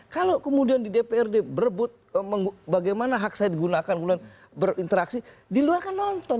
kalau kemudian di dprd berebut bagaimana hak saya digunakan gunakan berinteraksi diluarkan nonton